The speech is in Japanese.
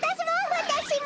わたしも！